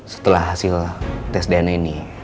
setelah hasil tes dna ini